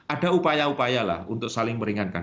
ada upaya upaya lah untuk saling meringankan